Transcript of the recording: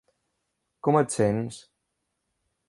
Com ets sents?